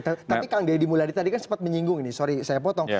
tapi kang deddy mulyadi tadi kan sempat menyinggung ini sorry saya potong